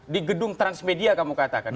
di gedung transmedia kamu katakan